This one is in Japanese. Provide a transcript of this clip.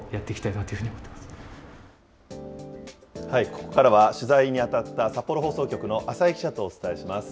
ここからは取材に当たった札幌放送局の浅井記者とお伝えします。